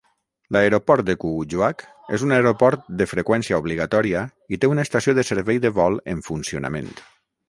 L'aeroport de Kuujjuaq és un aeroport de freqüència obligatòria i té una estació de servei de vol en funcionament.